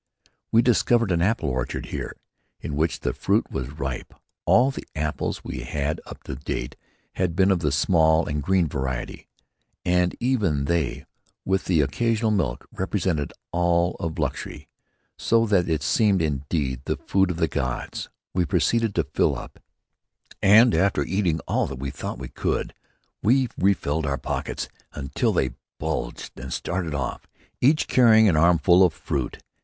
We discovered an apple orchard here, in which the fruit was ripe. All the apples we had had up to date had been of the small and green variety. And even they, with the occasional milk, represented our all of luxury, so that these seemed indeed the food of the gods. We proceeded to fill up and after eating all that we thought we could, filled our pockets until they bulged, and started off, each carrying an armful of the fruit.